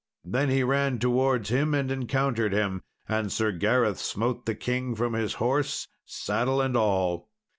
Then he ran towards him and encountered him, and Sir Gareth smote the king from his horse, saddle and all.